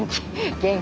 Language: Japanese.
元気。